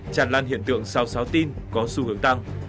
tràn lan hiện tượng sao xáo tin có xu hướng tăng